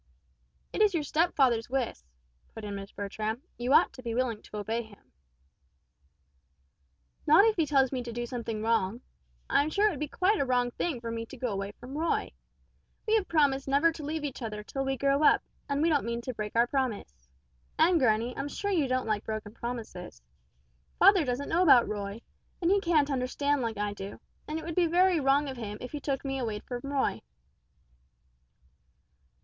"It is your stepfather's wish," put in Miss Bertram; "you ought to be willing to obey him." "Not if he tells me to do something wrong. And I'm sure it would be quite a wrong thing for me to go away from Roy. We have promised never to leave each other till we grow up, and we don't mean to break our promise. And, granny, I'm sure you don't like broken promises. Father doesn't know about Roy, and he can't understand like I do, and it would be very wrong of him if he took me away from Roy!"